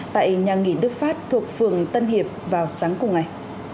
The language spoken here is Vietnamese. tại nhà nghỉ đức phát thuộc phường tân hiệp vào sáng cùng ngày